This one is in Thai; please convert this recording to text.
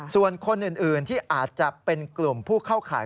ส่วนคนอื่นที่อาจจะเป็นกลุ่มผู้เข้าข่าย